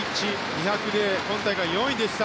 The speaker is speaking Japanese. ２００で今大会４位でした。